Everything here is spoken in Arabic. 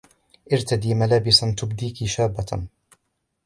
ارتدي ملابسا تبديكِ شابة.